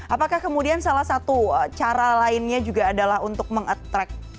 apakah kemudian salah satu cara lainnya juga adalah untuk meng attract